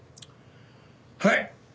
はい。